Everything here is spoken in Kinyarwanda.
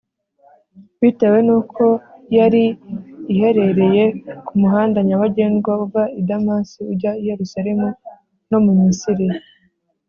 bitewe n’uko yari iherereye ku muhanda nyabagendwa uva i damasi ujya i yerusalemu no mu misiri